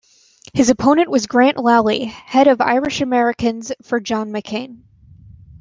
His opponent was Grant Lally, head of Irish-Americans for John McCain.